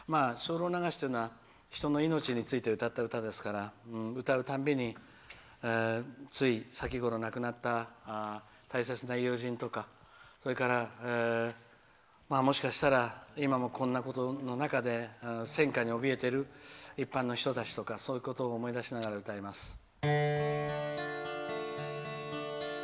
「精霊流し」というのは人の命について歌った歌ですから歌うたび、つい先ごろ亡くなった大切な友人とかそれから、もしかしたら今も、こんな中で戦火におびえている一般の人たちとかそういうことを思い出しながら歌います。